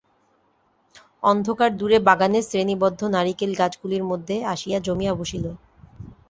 অন্ধকার দূরে বাগানের শ্রেণীবদ্ধ নারিকেল গাছগুলির মধ্যে আসিয়া জমিয়া বসিল।